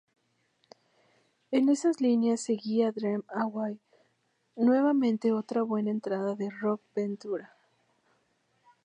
En esa línea seguía Dream Away, nuevamente otra buena entrega de Rick Ventura.